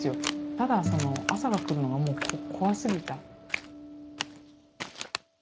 ただ朝が来るのがもう怖すぎた。